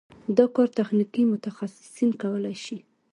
دا کار تخنیکي متخصصین کولی شي.